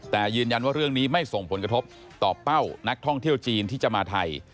แต่ยืนยันว่าเรื่องนี้ไม่ส่งผลกระทบต่อเป้านักท่องเที่ยวจีนที่จะมาไทย